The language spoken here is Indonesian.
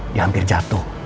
dia hampir jatuh